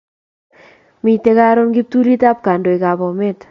Miten karun kiptulit ab kandoikab Bomet